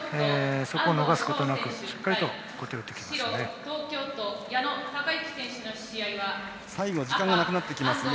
そこを逃すことなくしっかり小手を打ってきました。